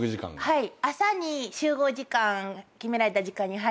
はい。